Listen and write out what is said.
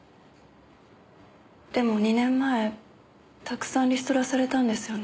でも２年前たくさんリストラされたんですよね。